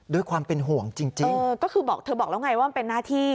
ด้วยความเป็นห่วงจริงก็คือบอกเธอบอกแล้วไงว่ามันเป็นหน้าที่